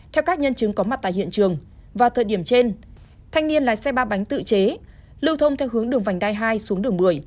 theo các nhân chứng có mặt tại hiện trường vào thời điểm trên thanh niên lái xe ba bánh tự chế lưu thông theo hướng đường vành đai hai xuống đường bưởi